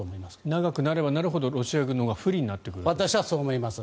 長くなればなるほどロシア軍が不利になってくると。